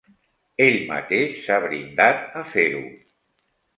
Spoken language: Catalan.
Ell mateix s'ha brindat a fer-ho.